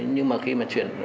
nhưng mà khi mà chuyển